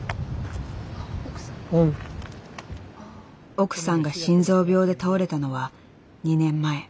奥さんが心臓病で倒れたのは２年前。